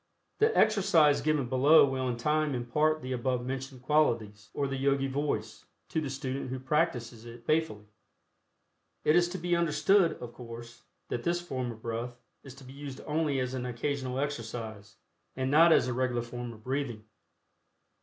The exercise given below will in time impart the above mentioned qualities, or the Yogi Voice, to the student who practices it faithfully. It is to be understood, of course, that this form of breath is to be used only as an occasional exercise, and not as a regular form of breathing.